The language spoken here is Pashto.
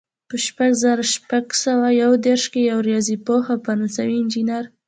په کال زر شپږ سوه یو دېرش کې یو ریاضي پوه او فرانسوي انجینر.